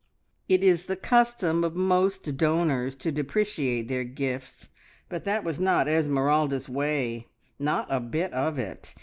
It is the custom of most donors to depreciate their gifts, but that was not Esmeralda's way. Not a bit of it!